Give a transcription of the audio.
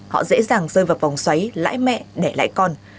họ dễ dàng rơi vào vòng xoáy lãi mẹ đẻ lãi con